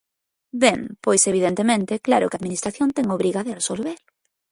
Ben, pois, evidentemente, claro que a Administración ten obriga de resolver.